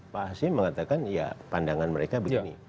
pak hasim mengatakan ya pandangan mereka begini